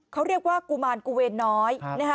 เขาเรียกว่ากุมารกูเวรน้อย